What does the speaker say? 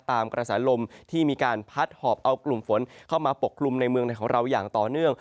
กระแสลมที่มีการพัดหอบเอากลุ่มฝนเข้ามาปกกลุ่มในเมืองในของเราอย่างต่อเนื่อง